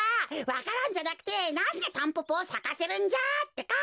わか蘭じゃなくてなんでタンポポをさかせるんじゃってか。